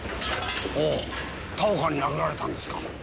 おお田岡に殴られたんですか？